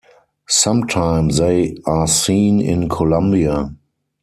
Sometimes they are seen in Colombia.